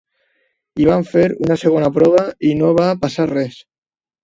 I vam fer una segona prova i no va passar res.